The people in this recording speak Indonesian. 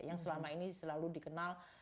yang selama ini selalu dikenal